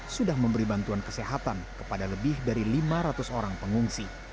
sudah memberi bantuan kesehatan kepada lebih dari lima ratus orang pengungsi